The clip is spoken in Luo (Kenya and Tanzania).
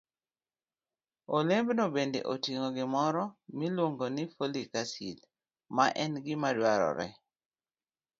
Olembno bende oting'o gimoro miluongo ni folic acid, ma en gima dwarore